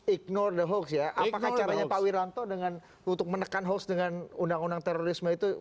ignore the hoax ya apakah caranya pak wiranto dengan untuk menekan hoax dengan undang undang terorisme itu